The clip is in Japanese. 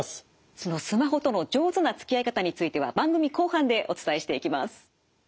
そのスマホとの上手なつきあい方については番組後半でお伝えしていきます。